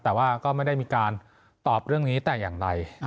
แต่ว่าก็ไม่ได้มีการตอบเรื่องนี้แต่อย่างใด